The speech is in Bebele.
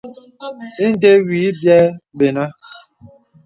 Ìndə̀ wì bìɛ̂ bənà.